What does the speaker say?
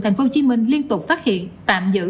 tp hcm liên tục phát hiện tạm giữ